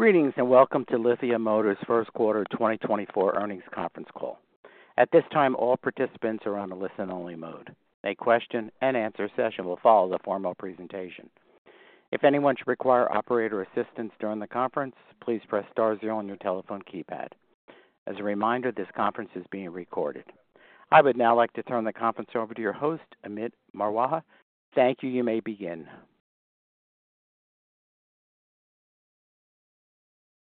Greetings, and welcome to Lithia Motors' first quarter 2024 earnings conference call. At this time, all participants are on a listen-only mode. A question-and-answer session will follow the formal presentation. If anyone should require operator assistance during the conference, please press star zero on your telephone keypad. As a reminder, this conference is being recorded. I would now like to turn the conference over to your host, Amit Marwaha. Thank you. You may begin.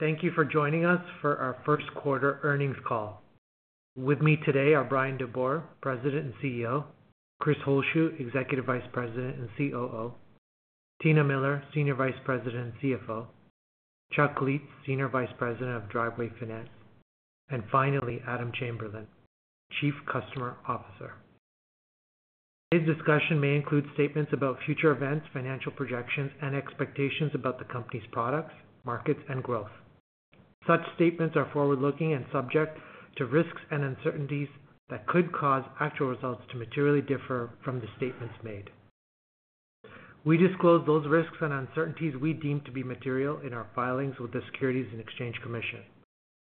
Thank you for joining us for our first quarter earnings call. With me today are Bryan DeBoer, President and CEO, Chris Holzshu, Executive Vice President and COO, Tina Miller, Senior Vice President and CFO, Chuck Lietz, Senior Vice President of Driveway Finance, and finally, Adam Chamberlain, Chief Customer Officer. Today's discussion may include statements about future events, financial projections, and expectations about the company's products, markets, and growth. Such statements are forward-looking and subject to risks and uncertainties that could cause actual results to materially differ from the statements made. We disclose those risks and uncertainties we deem to be material in our filings with the Securities and Exchange Commission.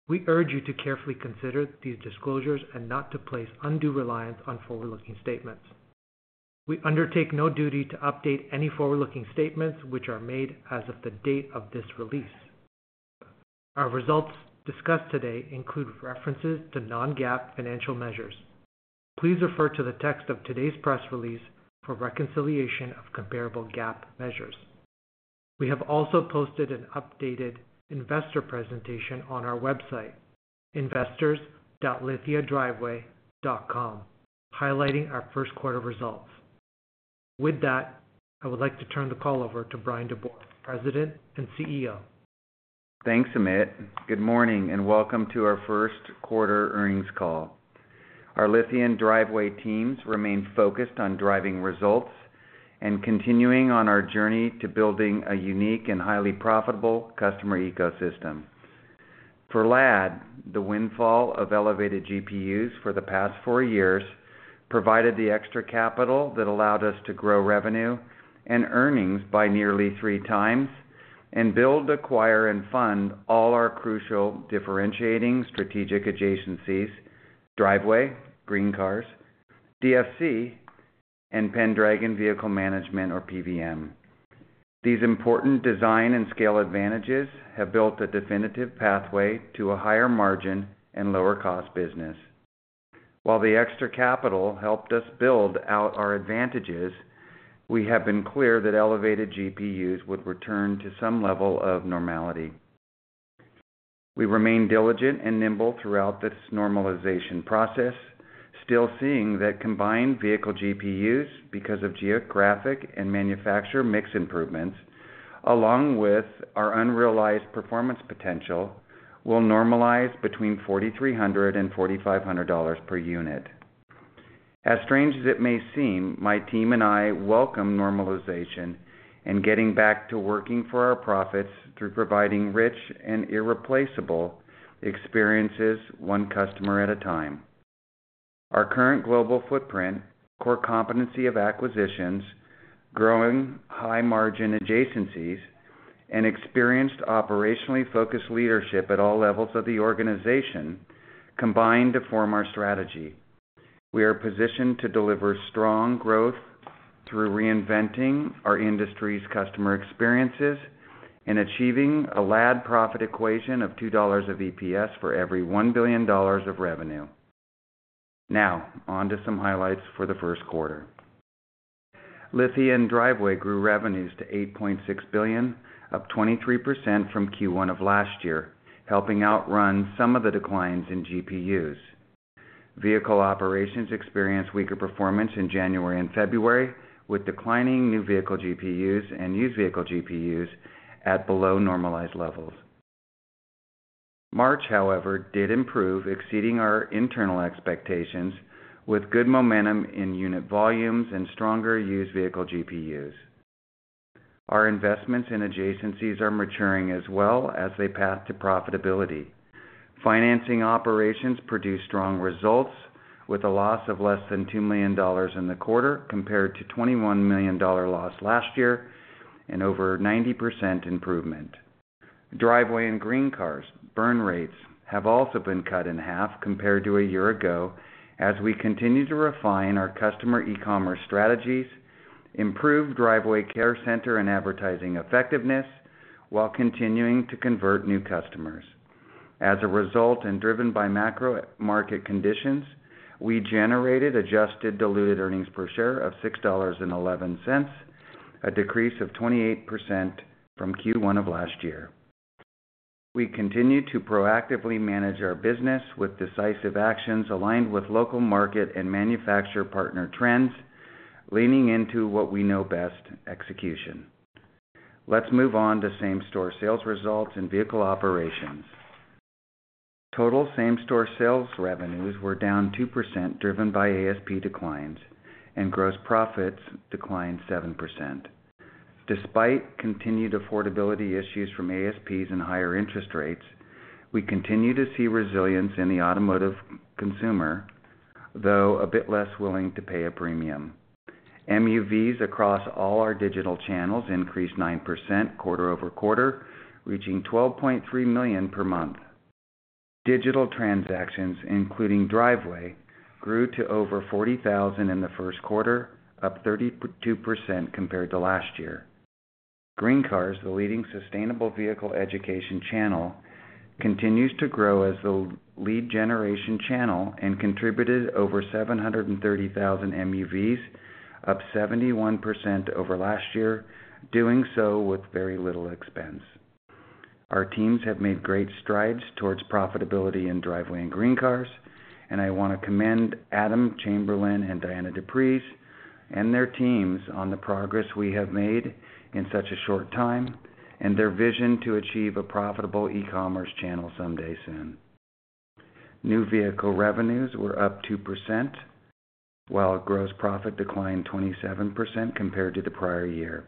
We urge you to carefully consider these disclosures and not to place undue reliance on forward-looking statements. We undertake no duty to update any forward-looking statements, which are made as of the date of this release. Our results discussed today include references to non-GAAP financial measures. Please refer to the text of today's press release for reconciliation of comparable GAAP measures. We have also posted an updated investor presentation on our website, investors.lithiadriveway.com, highlighting our first quarter results. With that, I would like to turn the call over to Bryan DeBoer, President and CEO. Thanks, Amit. Good morning, and welcome to our first quarter earnings call. Our Lithia and Driveway teams remain focused on driving results and continuing on our journey to building a unique and highly profitable customer ecosystem. For LAD, the windfall of elevated GPUs for the past four years provided the extra capital that allowed us to grow revenue and earnings by nearly three times and build, acquire, and fund all our crucial differentiating strategic adjacencies, Driveway, GreenCars, DFC, and Pendragon Vehicle Management or PVM. These important design and scale advantages have built a definitive pathway to a higher margin and lower-cost business. While the extra capital helped us build out our advantages, we have been clear that elevated GPUs would return to some level of normality. We remain diligent and nimble throughout this normalization process, still seeing that combined vehicle GPUs, because of geographic and manufacturer mix improvements, along with our unrealized performance potential, will normalize between $4,300 and $4,500 per unit. As strange as it may seem, my team and I welcome normalization and getting back to working for our profits through providing rich and irreplaceable experiences one customer at a time. Our current global footprint, core competency of acquisitions, growing high-margin adjacencies, and experienced, operationally focused leadership at all levels of the organization combine to form our strategy. We are positioned to deliver strong growth through reinventing our industry's customer experiences and achieving a LAD profit equation of $2 of EPS for every $1 billion of revenue. Now, on to some highlights for the first quarter. Lithia & Driveway grew revenues to $8.6 billion, up 23% from Q1 of last year, helping outrun some of the declines in GPUs. Vehicle operations experienced weaker performance in January and February, with declining new vehicle GPUs and used vehicle GPUs at below normalized levels. March, however, did improve, exceeding our internal expectations, with good momentum in unit volumes and stronger used vehicle GPUs. Our investments in adjacencies are maturing as well as they path to profitability. Financing operations produced strong results, with a loss of less than $2 million in the quarter, compared to $21 million-dollar loss last year, an over 90% improvement. Driveway and GreenCars' burn rates have also been cut in half compared to a year ago, as we continue to refine our customer e-commerce strategies, improve Driveway care center and advertising effectiveness, while continuing to convert new customers. As a result, and driven by macro market conditions, we generated adjusted diluted earnings per share of $6.11, a decrease of 28% from Q1 of last year. We continue to proactively manage our business with decisive actions aligned with local market and manufacturer partner trends, leaning into what we know best, execution. Let's move on to same-store sales results and vehicle operations. Total same-store sales revenues were down 2%, driven by ASP declines, and gross profits declined 7%. Despite continued affordability issues from ASPs and higher interest rates, we continue to see resilience in the automotive consumer... though a bit less willing to pay a premium. MUVs across all our digital channels increased 9% quarter-over-quarter, reaching 12.3 million per month. Digital transactions, including Driveway, grew to over 40,000 in the first quarter, up 32% compared to last year. GreenCars, the leading sustainable vehicle education channel, continues to grow as the lead generation channel and contributed over 730,000 MUVs, up 71% over last year, doing so with very little expense. Our teams have made great strides towards profitability in Driveway and GreenCars, and I want to commend Adam Chamberlain and Dianna du Preez and their teams on the progress we have made in such a short time, and their vision to achieve a profitable e-commerce channel someday soon. New vehicle revenues were up 2%, while gross profit declined 27% compared to the prior year.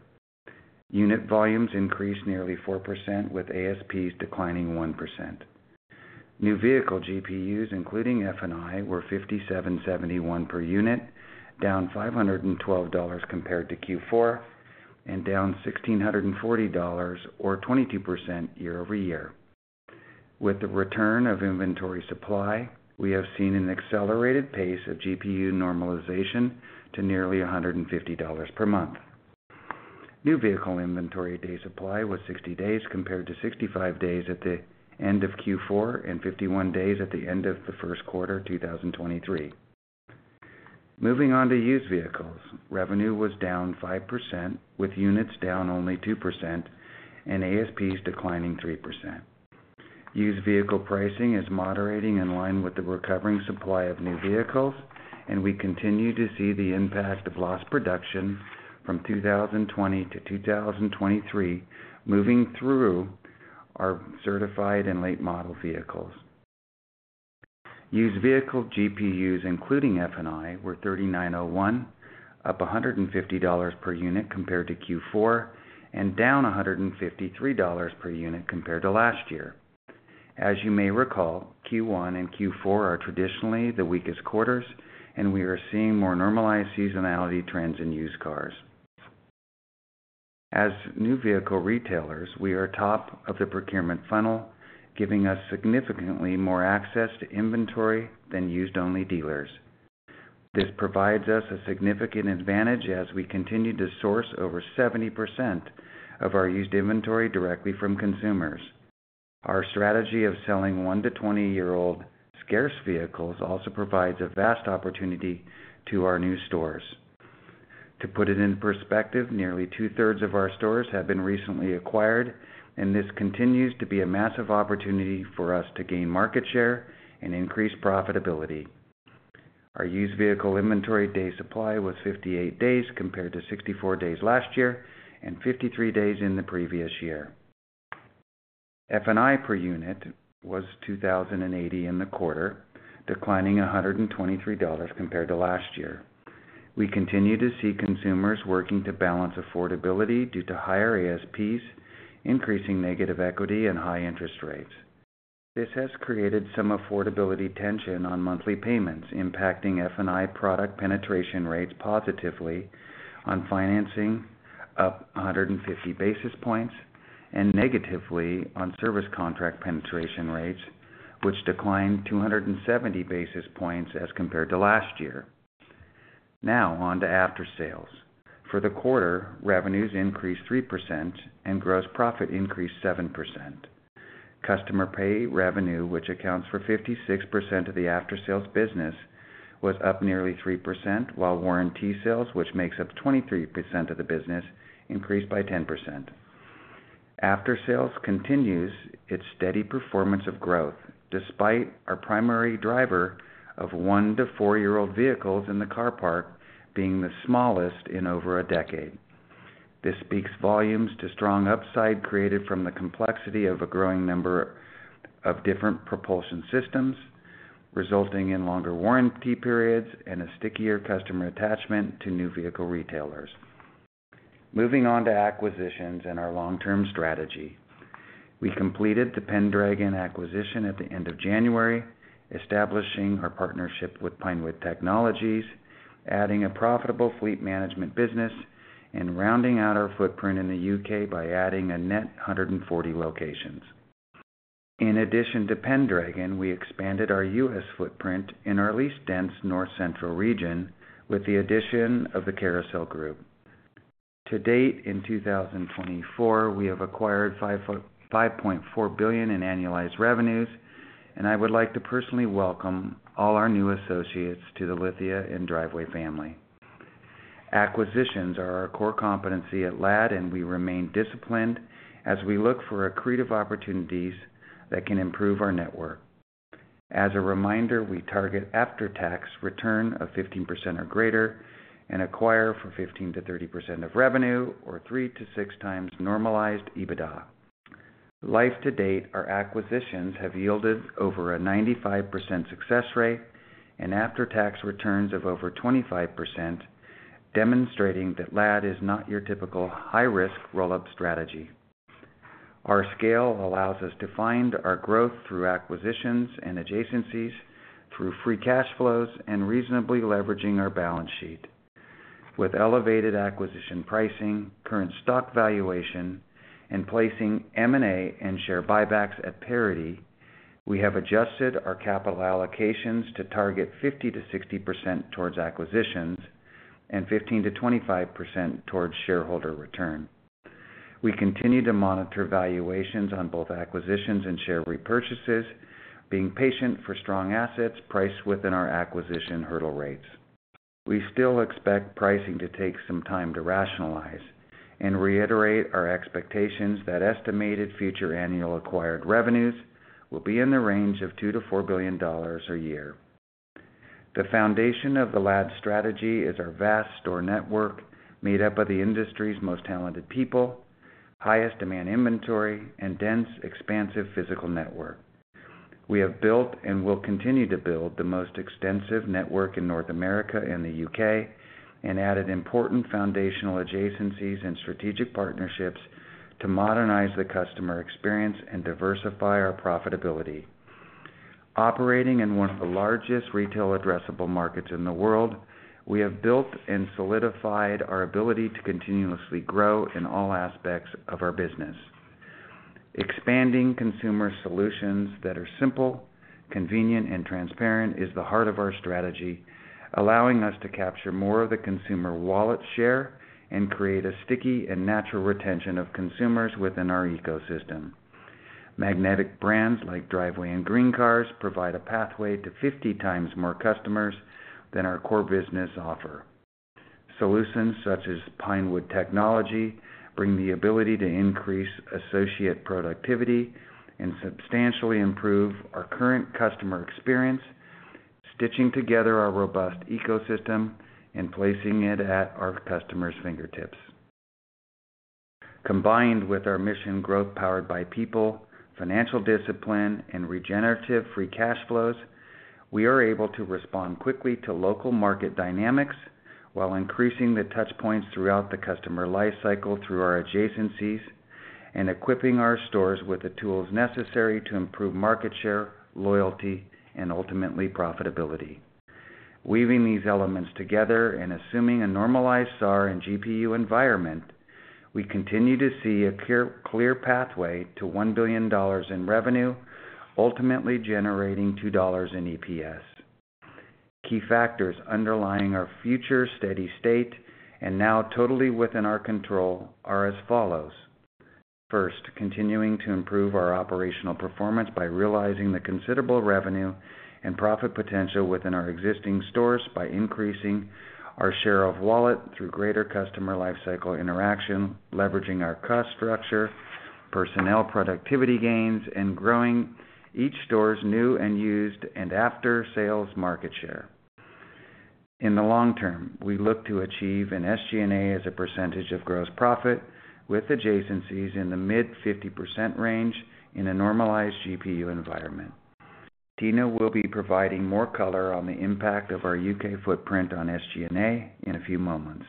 Unit volumes increased nearly 4%, with ASPs declining 1%. New vehicle GPUs, including F&I, were $5,771 per unit, down $512 compared to Q4, and down $1,640, or 22%, year-over-year. With the return of inventory supply, we have seen an accelerated pace of GPU normalization to nearly $150 per month. New vehicle inventory day supply was 60 days, compared to 65 days at the end of Q4 and 51 days at the end of the first quarter 2023. Moving on to used vehicles. Revenue was down 5%, with units down only 2% and ASPs declining 3%. Used vehicle pricing is moderating in line with the recovering supply of new vehicles, and we continue to see the impact of lost production from 2020 to 2023 moving through our certified and late model vehicles. Used vehicle GPUs, including F&I, were $3,901, up $150 per unit compared to Q4, and down $153 per unit compared to last year. As you may recall, Q1 and Q4 are traditionally the weakest quarters, and we are seeing more normalized seasonality trends in used cars. As new vehicle retailers, we are top of the procurement funnel, giving us significantly more access to inventory than used-only dealers. This provides us a significant advantage as we continue to source over 70% of our used inventory directly from consumers. Our strategy of selling one - to 20-year-old scarce vehicles also provides a vast opportunity to our new stores. To put it in perspective, nearly two-thirds of our stores have been recently acquired, and this continues to be a massive opportunity for us to gain market share and increase profitability. Our used vehicle inventory day supply was 58 days, compared to 64 days last year and 53 days in the previous year. F&I per unit was $2,080 in the quarter, declining $123 compared to last year. We continue to see consumers working to balance affordability due to higher ASPs, increasing negative equity and high interest rates. This has created some affordability tension on monthly payments, impacting F&I product penetration rates positively on financing up 150 basis points, and negatively on service contract penetration rates, which declined 270 basis points as compared to last year. Now on to aftersales. For the quarter, revenues increased 3% and gross profit increased 7%. Customer pay revenue, which accounts for 56% of the aftersales business, was up nearly 3%, while warranty sales, which makes up 23% of the business, increased by 10%. Aftersales continues its steady performance of growth, despite our primary driver of one to four-year-old vehicles in the car park being the smallest in over a decade. This speaks volumes to strong upside created from the complexity of a growing number of different propulsion systems, resulting in longer warranty periods and a stickier customer attachment to new vehicle retailers. Moving on to acquisitions and our long-term strategy. We completed the Pendragon acquisition at the end of January, establishing our partnership with Pinewood Technologies, adding a profitable fleet management business, and rounding out our footprint in the U.K. by adding a net 140 locations. In addition to Pendragon, we expanded our U.S. footprint in our least dense north central region with the addition of the Carousel Group. To date, in 2024, we have acquired $5.4 billion in annualized revenues, and I would like to personally welcome all our new associates to the Lithia & Driveway family. Acquisitions are our core competency at LAD, and we remain disciplined as we look for accretive opportunities that can improve our network. As a reminder, we target after-tax return of 15% or greater and acquire for 15%-30% of revenue or 3-6x normalized EBITDA. LAD to date, our acquisitions have yielded over a 95% success rate and after-tax returns of over 25%, demonstrating that LAD is not your typical high-risk roll-up strategy. Our scale allows us to find our growth through acquisitions and adjacencies, through free cash flows, and reasonably leveraging our balance sheet. With elevated acquisition pricing, current stock valuation, and placing M&A and share buybacks at parity, we have adjusted our capital allocations to target 50%-60% towards acquisitions and 15%-25% towards shareholder return. We continue to monitor valuations on both acquisitions and share repurchases, being patient for strong assets priced within our acquisition hurdle rates. We still expect pricing to take some time to rationalize and reiterate our expectations that estimated future annual acquired revenues will be in the range of $2 billion-$4 billion a year. The foundation of the LAD strategy is our vast store network, made up of the industry's most talented people, highest demand inventory, and dense, expansive physical network. We have built and will continue to build the most extensive network in North America and the U.K., and added important foundational adjacencies and strategic partnerships to modernize the customer experience and diversify our profitability. Operating in one of the largest retail addressable markets in the world, we have built and solidified our ability to continuously grow in all aspects of our business. Expanding consumer solutions that are simple, convenient, and transparent is the heart of our strategy, allowing us to capture more of the consumer wallet share and create a sticky and natural retention of consumers within our ecosystem. Magnetic brands like Driveway and GreenCars provide a pathway to 50 times more customers than our core business offer. Solutions such as Pinewood Technologies bring the ability to increase associate productivity and substantially improve our current customer experience, stitching together our robust ecosystem and placing it at our customers' fingertips. Combined with our mission growth powered by people, financial discipline, and regenerative free cash flows, we are able to respond quickly to local market dynamics while increasing the touch points throughout the customer life cycle through our adjacencies and equipping our stores with the tools necessary to improve market share, loyalty, and ultimately, profitability. Weaving these elements together and assuming a normalized SAAR and GPU environment, we continue to see a clear pathway to $1 billion in revenue, ultimately generating $2 in EPS. Key factors underlying our future steady state, and now totally within our control, are as follows: First, continuing to improve our operational performance by realizing the considerable revenue and profit potential within our existing stores by increasing our share of wallet through greater customer life cycle interaction, leveraging our cost structure, personnel productivity gains, and growing each store's new and used, and after-sales market share. In the long term, we look to achieve an SG&A as a percentage of gross profit with adjacencies in the mid-50% range in a normalized GPU environment. Tina will be providing more color on the impact of our UK footprint on SG&A in a few moments.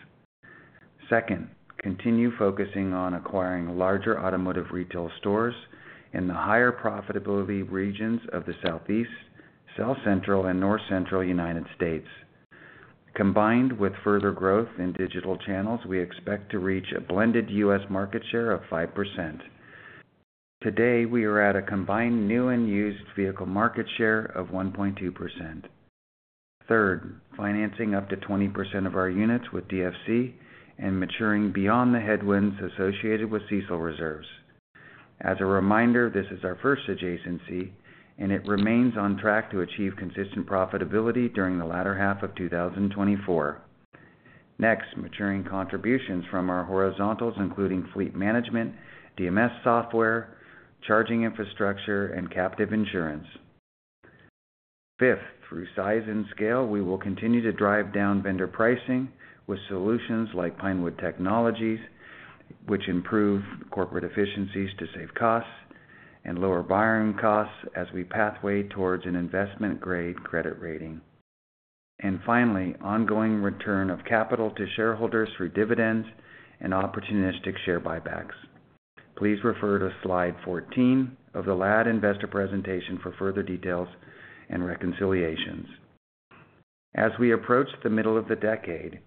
Second, continue focusing on acquiring larger automotive retail stores in the higher profitability regions of the Southeast, South Central, and North Central United States. Combined with further growth in digital channels, we expect to reach a blended U.S. market share of 5%. Today, we are at a combined new and used vehicle market share of 1.2%. Third, financing up to 20% of our units with DFC and maturing beyond the headwinds associated with CECL Reserves. As a reminder, this is our first adjacency, and it remains on track to achieve consistent profitability during the latter half of 2024. Next, maturing contributions from our horizontals, including fleet management, DMS software, charging infrastructure, and captive insurance. Fifth, through size and scale, we will continue to drive down vendor pricing with solutions like Pinewood Technologies, which improve corporate efficiencies to save costs and lower borrowing costs as we pathway towards an investment-grade credit rating. And finally, ongoing return of capital to shareholders through dividends and opportunistic share buybacks. Please refer to slide 14 of the LAD investor presentation for further details and reconciliations. As we approach the middle of the decade,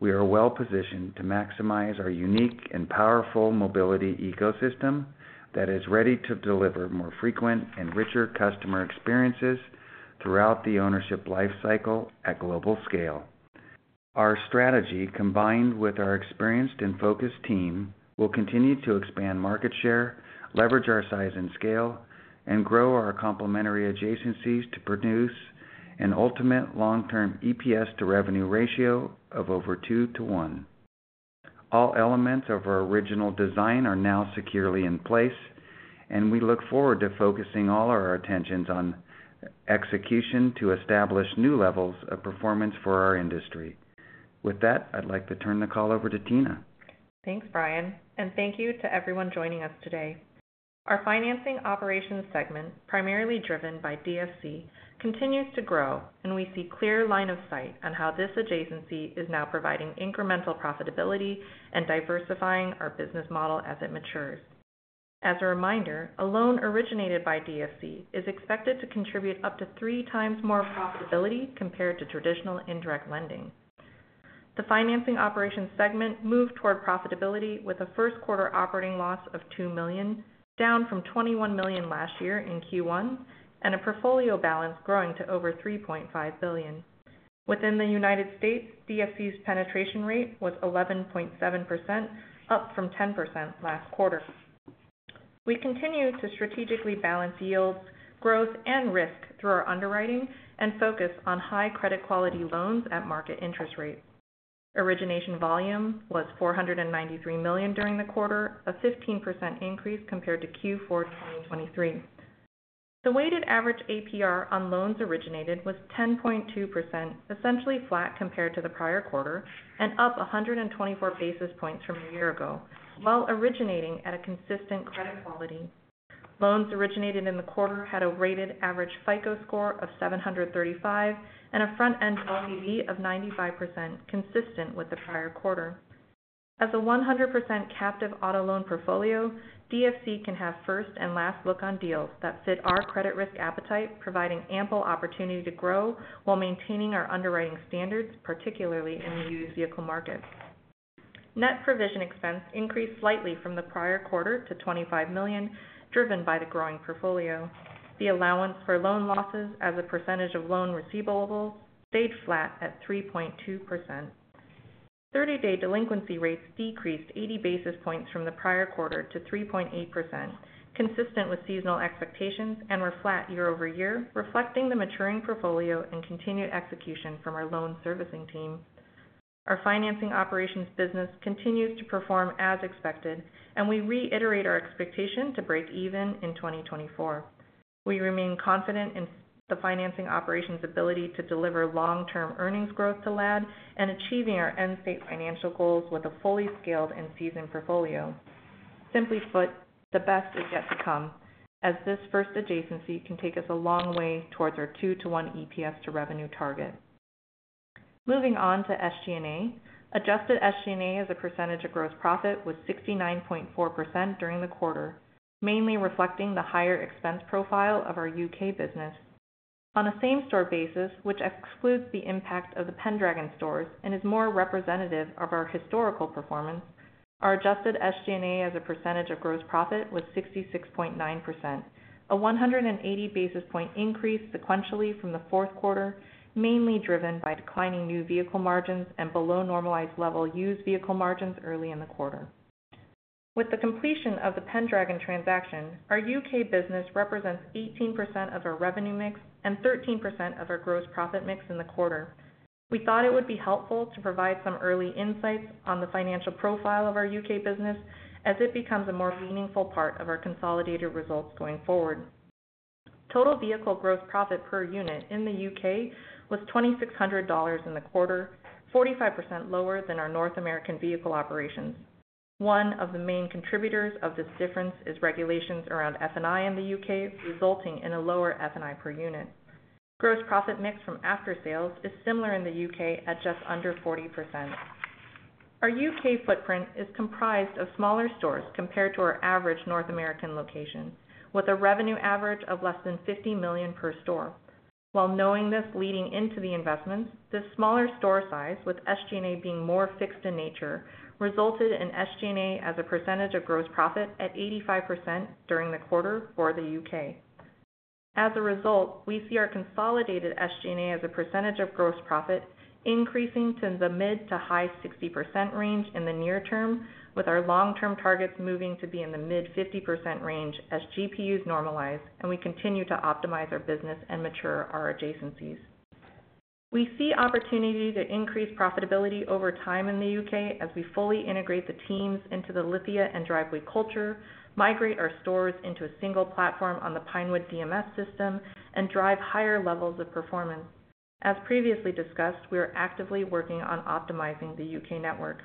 we are well-positioned to maximize our unique and powerful mobility ecosystem that is ready to deliver more frequent and richer customer experiences throughout the ownership life cycle at global scale. Our strategy, combined with our experienced and focused team, will continue to expand market share, leverage our size and scale, and grow our complementary adjacencies to produce an ultimate long-term EPS-to-revenue ratio of over 2 to 1. All elements of our original design are now securely in place, and we look forward to focusing all of our attention on execution to establish new levels of performance for our industry. With that, I'd like to turn the call over to Tina. Thanks, Bryan, and thank you to everyone joining us today. Our financing operations segment, primarily driven by DFC, continues to grow, and we see clear line of sight on how this adjacency is now providing incremental profitability and diversifying our business model as it matures. As a reminder, a loan originated by DFC is expected to contribute up to three times more profitability compared to traditional indirect lending. The financing operations segment moved toward profitability, with a first quarter operating loss of $2 million, down from $21 million last year in Q1, and a portfolio balance growing to over $3.5 billion. Within the United States, DFC's penetration rate was 11.7%, up from 10% last quarter. We continue to strategically balance yields, growth, and risk through our underwriting and focus on high credit quality loans at market interest rates. Origination volume was $493 million during the quarter, a 15% increase compared to Q4 2023. The weighted average APR on loans originated was 10.2%, essentially flat compared to the prior quarter, and up 124 basis points from a year ago, while originating at a consistent credit quality. Loans originated in the quarter had a rated average FICO score of 735, and a front-end LTV of 95%, consistent with the prior quarter. As a 100% captive auto loan portfolio, DFC can have first and last look on deals that fit our credit risk appetite, providing ample opportunity to grow while maintaining our underwriting standards, particularly in the used vehicle market. Net provision expense increased slightly from the prior quarter to $25 million, driven by the growing portfolio. The allowance for loan losses as a percentage of loan receivables stayed flat at 3.2%. 30 day delinquency rates decreased 80 basis points from the prior quarter to 3.8%, consistent with seasonal expectations and were flat year over year, reflecting the maturing portfolio and continued execution from our loan servicing team. Our financing operations business continues to perform as expected, and we reiterate our expectation to break even in 2024. We remain confident in the financing operations' ability to deliver long-term earnings growth to LAD and achieving our end state financial goals with a fully scaled and seasoned portfolio. Simply put, the best is yet to come, as this first adjacency can take us a long way towards our 2 to 1 EPS to revenue target. Moving on to SG&A. Adjusted SG&A as a percentage of gross profit was 69.4% during the quarter, mainly reflecting the higher expense profile of our UK business. On a same-store basis, which excludes the impact of the Pendragon stores and is more representative of our historical performance, our adjusted SG&A as a percentage of gross profit was 66.9%, a 180 basis point increase sequentially from the fourth quarter, mainly driven by declining new vehicle margins and below normalized level used vehicle margins early in the quarter. With the completion of the Pendragon transaction, our UK business represents 18% of our revenue mix and 13% of our gross profit mix in the quarter. We thought it would be helpful to provide some early insights on the financial profile of our UK business as it becomes a more meaningful part of our consolidated results going forward. Total vehicle gross profit per unit in the UK was $2,600 in the quarter, 45% lower than our North American Vehicle Operations. One of the main contributors of this difference is regulations around F&I in the UK, resulting in a lower F&I per unit. Gross profit mix from after sales is similar in the UK at just under 40%. Our UK footprint is comprised of smaller stores compared to our average North American location, with a revenue average of less than $50 million per store. While knowing this leading into the investments, this smaller store size, with SG&A being more fixed in nature, resulted in SG&A as a percentage of gross profit at 85% during the quarter for the U.K. As a result, we see our consolidated SG&A as a percentage of gross profit increasing to the mid- to high-60% range in the near term, with our long-term targets moving to be in the mid-50% range as GPUs normalize and we continue to optimize our business and mature our adjacencies. We see opportunity to increase profitability over time in the U.K. as we fully integrate the teams into the Lithia and Driveway culture, migrate our stores into a single platform on the Pinewood DMS system, and drive higher levels of performance. As previously discussed, we are actively working on optimizing the UK network.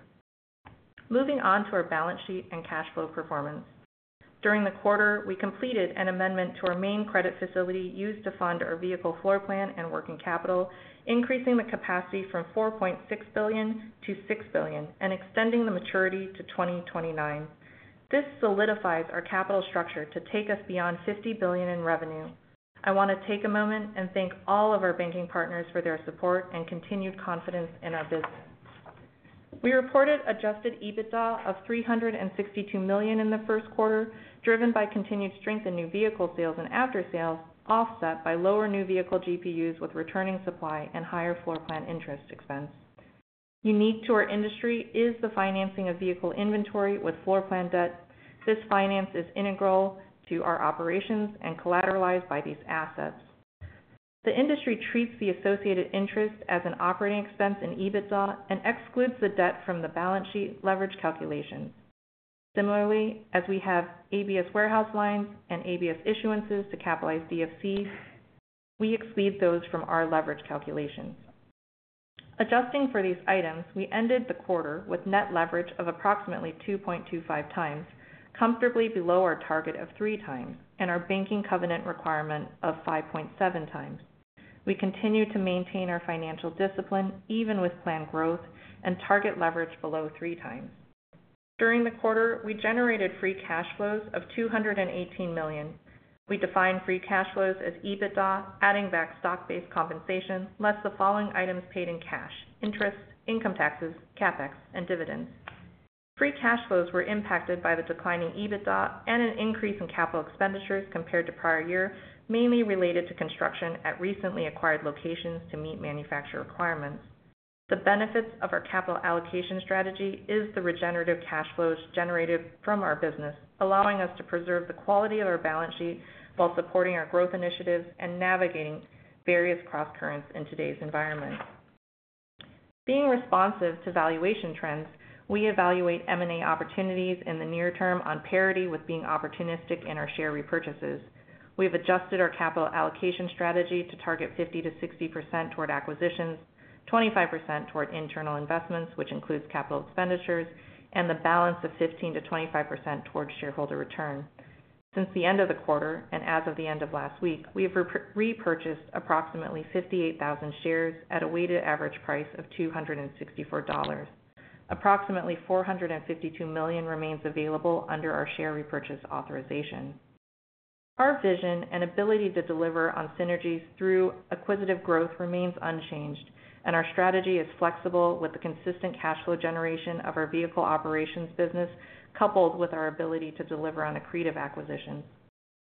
Moving on to our balance sheet and cash flow performance. During the quarter, we completed an amendment to our main credit facility used to fund our vehicle floor plan and working capital, increasing the capacity from $4.6 billion-$6 billion and extending the maturity to 2029. This solidifies our capital structure to take us beyond $50 billion in revenue. I want to take a moment and thank all of our banking partners for their support and continued confidence in our business. We reported Adjusted EBITDA of $362 million in the first quarter, driven by continued strength in new vehicle sales and after sales, offset by lower new vehicle GPUs with returning supply and higher floor plan interest expense. Unique to our industry is the financing of vehicle inventory with floor plan debt. This finance is integral to our operations and collateralized by these assets. The industry treats the associated interest as an operating expense in EBITDA and excludes the debt from the balance sheet leverage calculations. Similarly, as we have ABS warehouse lines and ABS issuances to capitalize DFC, we exclude those from our leverage calculations. Adjusting for these items, we ended the quarter with net leverage of approximately 2.25 times, comfortably below our target of 3 times and our banking covenant requirement of 5.7 times. We continue to maintain our financial discipline even with planned growth and target leverage below 3 times. During the quarter, we generated free cash flows of $218 million. We define free cash flows as EBITDA, adding back stock-based compensation, less the following items paid in cash: interest, income taxes, CapEx, and dividends. Free cash flows were impacted by the declining EBITDA and an increase in capital expenditures compared to prior year, mainly related to construction at recently acquired locations to meet manufacturer requirements. The benefits of our capital allocation strategy is the regenerative cash flows generated from our business, allowing us to preserve the quality of our balance sheet while supporting our growth initiatives and navigating various crosscurrents in today's environment. Being responsive to valuation trends, we evaluate M&A opportunities in the near term on parity with being opportunistic in our share repurchases. We've adjusted our capital allocation strategy to target 50%-60% toward acquisitions, 25% toward internal investments, which includes capital expenditures, and the balance of 15%-25% towards shareholder return. Since the end of the quarter, and as of the end of last week, we have repurchased approximately 58,000 shares at a weighted average price of $264. Approximately $452 million remains available under our share repurchase authorization. Our vision and ability to deliver on synergies through acquisitive growth remains unchanged, and our strategy is flexible with the consistent cash flow generation of our vehicle operations business, coupled with our ability to deliver on accretive acquisitions.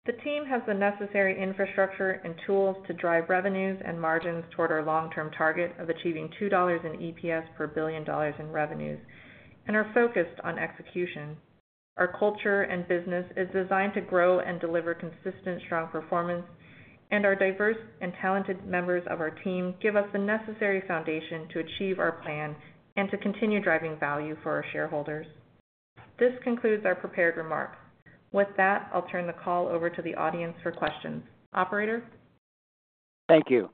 The team has the necessary infrastructure and tools to drive revenues and margins toward our long-term target of achieving $2 in EPS per $1 billion in revenues and are focused on execution. Our culture and business is designed to grow and deliver consistent, strong performance, and our diverse and talented members of our team give us the necessary foundation to achieve our plan and to continue driving value for our shareholders. This concludes our prepared remarks. With that, I'll turn the call over to the audience for questions. Operator? Thank you.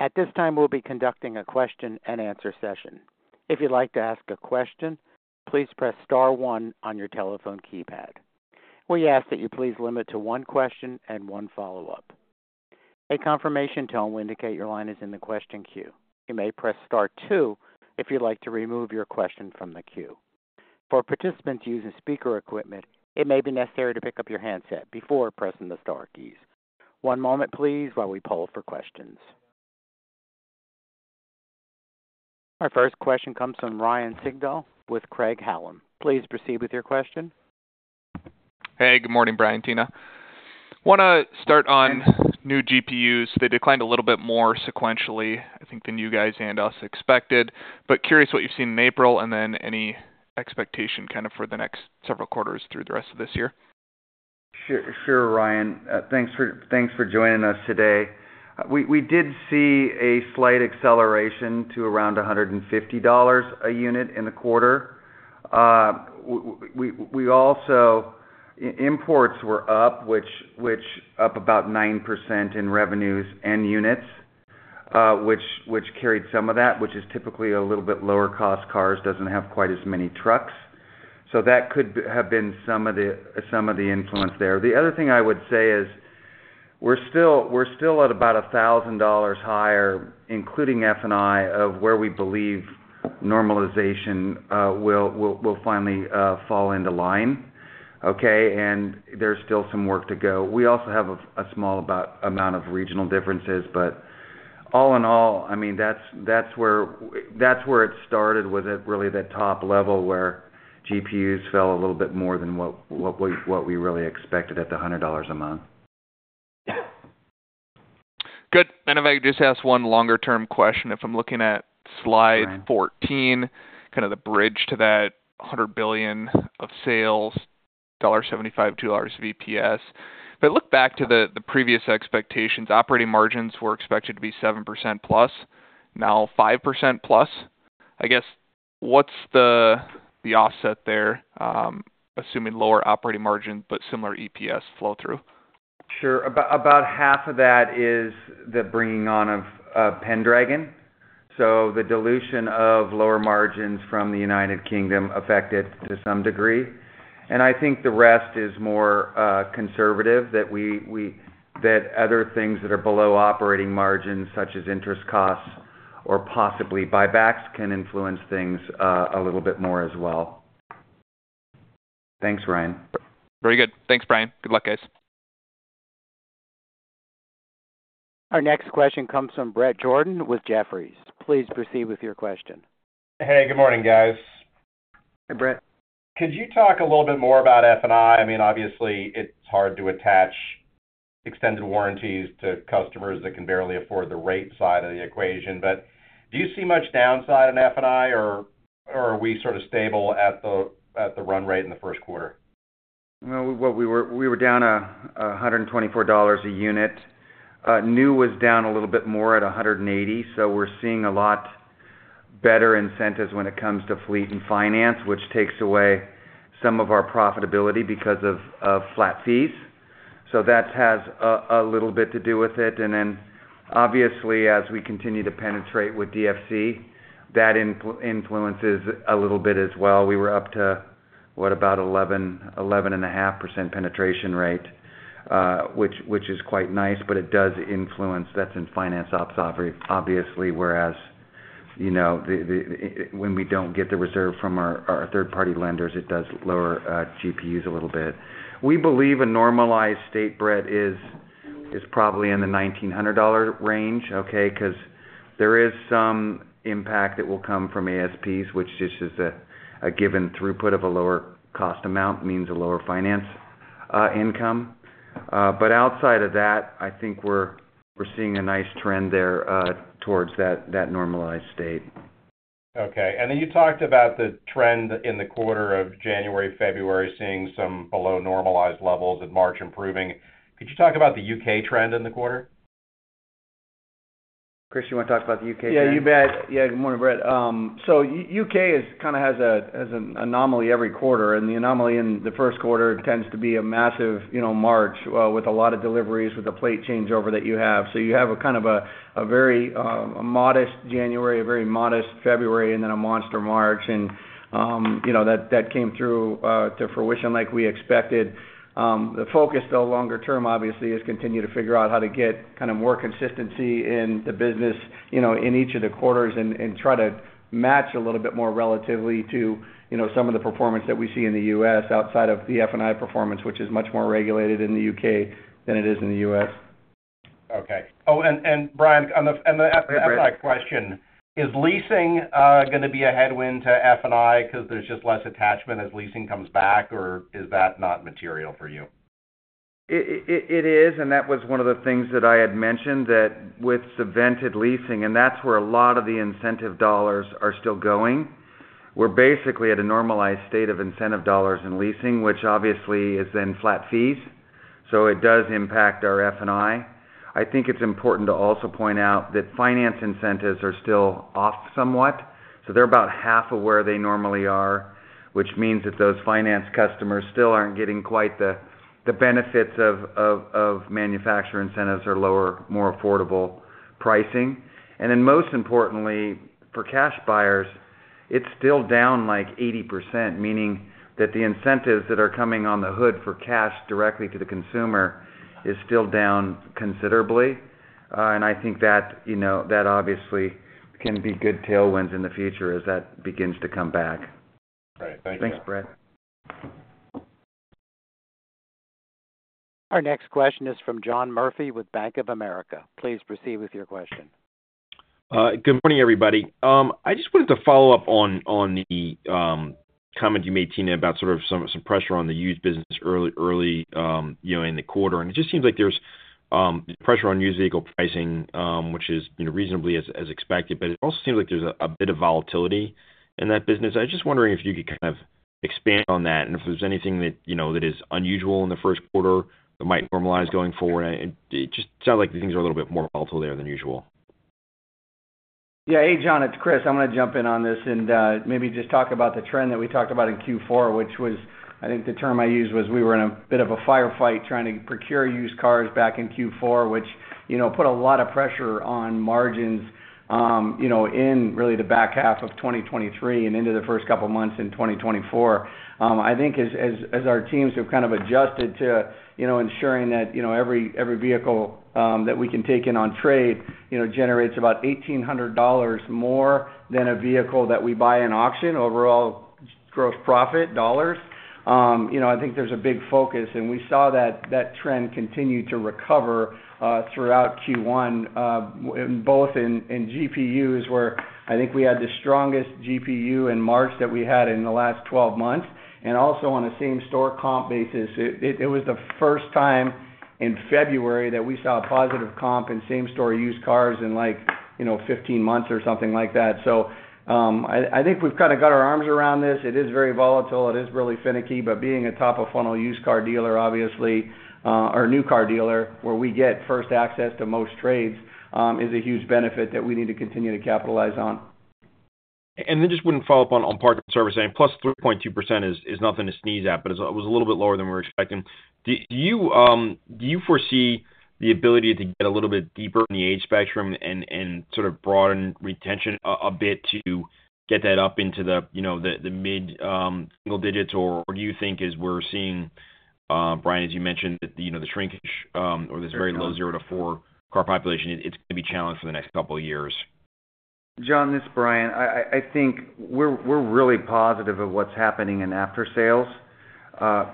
At this time, we'll be conducting a question-and-answer session. If you'd like to ask a question, please press star one on your telephone keypad. We ask that you please limit to one question and one follow-up. A confirmation tone will indicate your line is in the question queue. You may press star two if you'd like to remove your question from the queue. For participants using speaker equipment, it may be necessary to pick up your handset before pressing the star keys. One moment, please, while we poll for questions. Our first question comes from Ryan Sigdahl with Craig-Hallum. Please proceed with your question. Hey, good morning, Bryan, Tina. Wanna start on new GPUs. They declined a little bit more sequentially, I think, than you guys and us expected, but curious what you've seen in April and then any expectation kind of for the next several quarters through the rest of this year. Sure, sure, Ryan. Thanks for joining us today. We did see a slight acceleration to around $150 a unit in the quarter. We also, imports were up, which up about 9% in revenues and units, which carried some of that, which is typically a little bit lower-cost cars, doesn't have quite as many trucks. So that could have been some of the influence there. The other thing I would say is we're still at about $1,000 higher, including F&I, of where we believe normalization will finally fall into line, okay? And there's still some work to go. We also have a small amount of regional differences, but all in all, I mean, that's where it started, was at really the top level, where GPUs fell a little bit more than what we really expected at the $100 a month. Good. And if I could just ask one longer-term question. If I'm looking at slide— Right 14, kind of the bridge to that $100 billion of sales, $0.75, $2 EPS. If I look back to the, the previous expectations, operating margins were expected to be 7%+, now 5%+. I guess, what's the, the offset there, assuming lower operating margin but similar EPS flow-through? Sure. About, about half of that is the bringing on of, of Pendragon, so the dilution of lower margins from the United Kingdom affect it to some degree. And I think the rest is more, conservative, that other things that are below operating margins, such as interest costs or possibly buybacks, can influence things, a little bit more as well. Thanks, Ryan. Very good. Thanks, Bryan. Good luck, guys. Our next question comes from Bret Jordan with Jefferies. Please proceed with your question. Hey, good morning, guys. Hey, Bret. Could you talk a little bit more about F&I? I mean, obviously, it's hard to attach extended warranties to customers that can barely afford the rate side of the equation, but do you see much downside in F&I, or, or are we sort of stable at the, at the run rate in the first quarter? Well, we were down $124 a unit. New was down a little bit more at $180, so we're seeing a lot better incentives when it comes to fleet and finance, which takes away some of our profitability because of flat fees. So that has a little bit to do with it. And then, obviously, as we continue to penetrate with DFC, that influences a little bit as well. We were up to, what about 11%-11.5% penetration rate, which is quite nice, but it does influence. That's in finance ops, obviously. Whereas, you know, when we don't get the reserve from our third-party lenders, it does lower GPUs a little bit. We believe a normalized state, Bret, is probably in the $1,900 range, okay? 'Cause there is some impact that will come from ASPs, which just is a given throughput of a lower cost amount, means a lower finance income. But outside of that, I think we're seeing a nice trend there towards that normalized state. Okay. And then you talked about the trend in the quarter of January, February, seeing some below normalized levels and March improving. Could you talk about the UK trend in the quarter? Chris, you wanna talk about the UK trend? Yeah, you bet. Yeah, good morning, Bret. So U.K. is kind of has a, has an anomaly every quarter, and the anomaly in the first quarter tends to be a massive, you know, March, with a lot of deliveries, with a plate changeover that you have. So you have a kind of a, a very, a modest January, a very modest February, and then a monster March, and, you know, that, that came through, to fruition like we expected. The focus, though, longer term, obviously, is continue to figure out how to get kind of more consistency in the business, you know, in each of the quarters and try to match a little bit more relatively to, you know, some of the performance that we see in the U.S. outside of the F&I performance, which is much more regulated in the U.K. than it is in the U.S. Okay. Oh, and Bryan, on the— Hey, Bret. On the F&I question, is leasing gonna be a headwind to F&I 'cause there's just less attachment as leasing comes back, or is that not material for you? It is, and that was one of the things that I had mentioned, that with subvented leasing, and that's where a lot of the incentive dollars are still going. We're basically at a normalized state of incentive dollars in leasing, which obviously is in flat fees, so it does impact our F&I. I think it's important to also point out that finance incentives are still off somewhat, so they're about half of where they normally are, which means that those finance customers still aren't getting quite the benefits of manufacturer incentives or lower, more affordable pricing. And then, most importantly, for cash buyers, it's still down, like, 80%, meaning that the incentives that are coming on the hood for cash directly to the consumer is still down considerably. I think that, you know, that obviously can be good tailwinds in the future as that begins to come back. Right. Thank you. Thanks, Bret. Our next question is from John Murphy with Bank of America. Please proceed with your question. Good morning, everybody. I just wanted to follow up on the comment you made, Tina, about sort of some pressure on the used business early, you know, in the quarter. And it just seems like there's pressure on used vehicle pricing, which is, you know, reasonably as expected, but it also seems like there's a bit of volatility in that business. I was just wondering if you could kind of expand on that, and if there's anything that, you know, is unusual in the first quarter that might normalize going forward. It just sounds like things are a little bit more volatile there than usual. Yeah. Hey, John, it's Chris. I'm gonna jump in on this and, maybe just talk about the trend that we talked about in Q4, which was, I think the term I used was, we were in a bit of a firefight trying to procure used cars back in Q4, which, you know, put a lot of pressure on margins, you know, in really the back half of 2023 and into the first couple of months in 2024. I think as our teams have kind of adjusted to, you know, ensuring that, you know, every vehicle that we can take in on trade, you know, generates about $1,800 more than a vehicle that we buy in auction, overall gross profit dollars. You know, I think there's a big focus, and we saw that trend continue to recover throughout Q1 in both GPUs, where I think we had the strongest GPU in March that we had in the last 12 months. And also on a same-store comp basis, it was the first time in February that we saw a positive comp in same-store used cars in, like, you know, 15 months or something like that. So, I think we've kind of got our arms around this. It is very volatile, it is really finicky, but being a top-of-funnel used car dealer, obviously, or new car dealer, where we get first access to most trades, is a huge benefit that we need to continue to capitalize on. Then just wanted to follow up on parts and service, and +3.2% is nothing to sneeze at, but it was a little bit lower than we were expecting. Do you foresee the ability to get a little bit deeper in the age spectrum and sort of broaden retention a bit to get that up into the, you know, the mid-single digits? Or do you think, as we're seeing, Bryan, as you mentioned, that, you know, the shrinkage or this very low zero to four car population, it's gonna be challenged for the next couple of years? John, this is Bryan. I think we're really positive of what's happening in aftersales.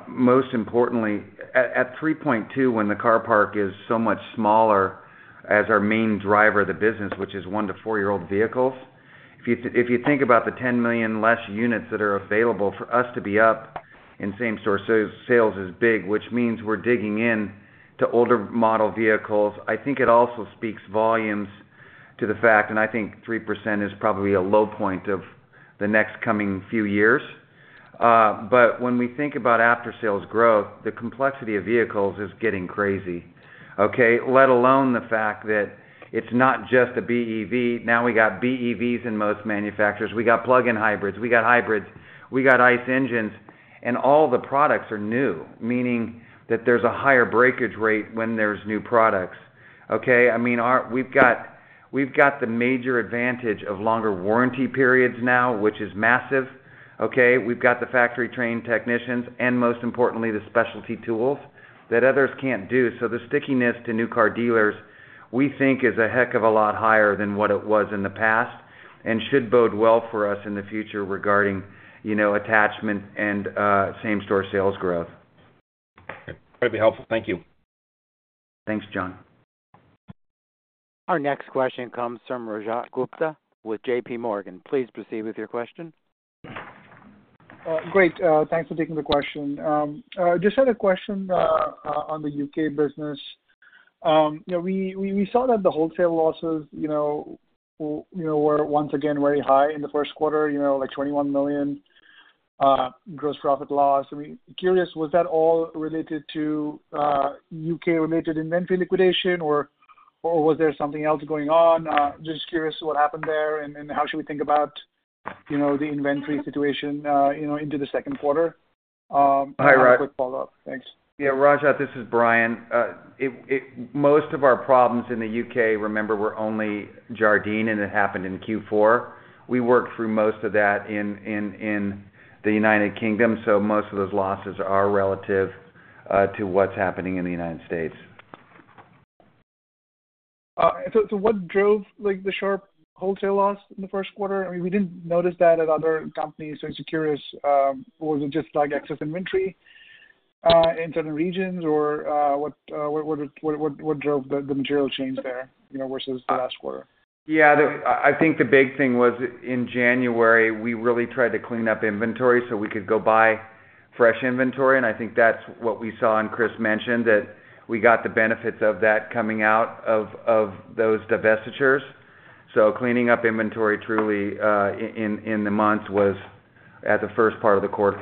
Most importantly, at 3.2, when the car park is so much smaller, as our main driver of the business, which is 1- to 4-year-old vehicles, if you think about the 10 million less units that are available, for us to be up in same-store sales is big, which means we're digging in to older model vehicles. I think it also speaks volumes to the fact, and I think 3% is probably a low point of the next coming few years. But when we think about aftersales growth, the complexity of vehicles is getting crazy, okay? Let alone the fact that it's not just a BEV. Now we got BEVs in most manufacturers, we got plug-in hybrids, we got hybrids, we got ICE engines, and all the products are new, meaning that there's a higher breakage rate when there's new products. Okay, I mean, our, we've got, we've got the major advantage of longer warranty periods now, which is massive, okay? We've got the factory-trained technicians, and most importantly, the specialty tools that others can't do. So the stickiness to new car dealers, we think is a heck of a lot higher than what it was in the past and should bode well for us in the future regarding, you know, attachment and same-store sales growth. Okay. That'd be helpful. Thank you. Thanks, John. Our next question comes from Rajat Gupta with JP Morgan. Please proceed with your question. Great. Thanks for taking the question. I just had a question on the UK business. You know, we saw that the wholesale losses, you know, were once again very high in the first quarter, you know, like $21 million gross profit loss. I mean, curious, was that all related to UK-related inventory liquidation, or was there something else going on? Just curious what happened there, and how should we think about, you know, the inventory situation, you know, into the second quarter? I have a quick follow-up. Thanks. Yeah, Rajat, this is Bryan. Most of our problems in the U.K., remember, were only Jardine, and it happened in Q4. We worked through most of that in the United Kingdom, so most of those losses are relative to what's happening in the United States. So what drove, like, the sharp wholesale loss in the first quarter? I mean, we didn't notice that at other companies. So just curious, or was it just, like, excess inventory in certain regions? Or what drove the material change there, you know, versus the last quarter? Yeah, I think the big thing was in January, we really tried to clean up inventory so we could go buy fresh inventory, and I think that's what we saw, and Chris mentioned that we got the benefits of that coming out of those divestitures. So cleaning up inventory truly in the months at the first part of the quarter